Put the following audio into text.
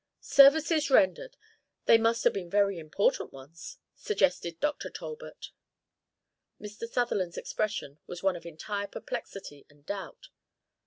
Services rendered! They must have been very important ones," suggested Dr. Talbot. Mr. Sutherland's expression was one of entire perplexity and doubt.